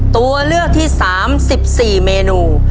ตัวเลือกที่๓๑๔เมนู